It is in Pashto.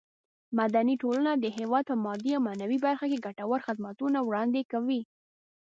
مدني ټولنه د هېواد په مادي او معنوي برخه کې ګټور خدمتونه وړاندې کوي.